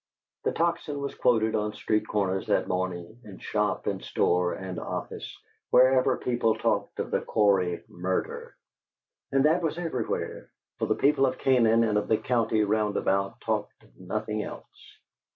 The Tocsin was quoted on street corners that morning, in shop and store and office, wherever people talked of the Cory murder; and that was everywhere, for the people of Canaan and of the country roundabout talked of nothing else.